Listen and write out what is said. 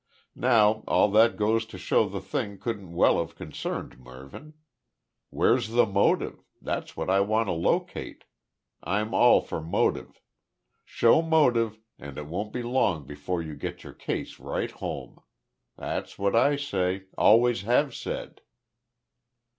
Now all that goes to show the thing couldn't well have concerned Mervyn. Where's the motive? That's what I want to locate. I'm all for motive. Show motive, and it won't be long before you get your case right home. That's what I say always have said."